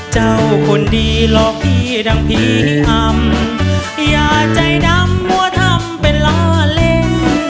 เจ้าคนดีหลอกดีดังผีอ่ำอย่าใจดำหัวทำเป็นล้าเล่น